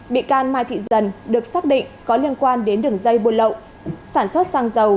bị can mai thị dần được xác định có liên quan đến đường dây buôn lậu sản xuất xăng dầu